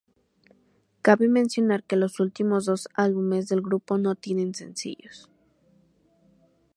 Cabe mencionar que los últimos dos álbumes del grupo no tienen sencillos.